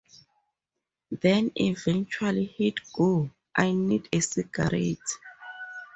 Then eventually he'd go, 'I need a cigarette'.